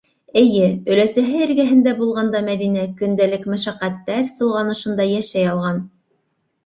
Эйе, өләсәһе эргәһендә булғанда Мәҙинә көндәлек мәшәҡәттәр солғанышында йәшәй алған.